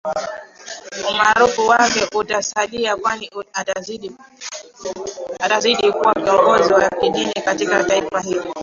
umaarufu wake utasalia kwani atazaidi kuwa kiongozi wa kidini katika taifa hilo